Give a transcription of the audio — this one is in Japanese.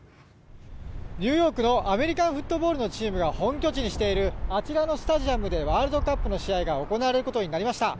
ニューヨークのアメリカンフットボールのチームが本拠地にしているあちらのスタジアムでワールドカップの試合が行われることになりました。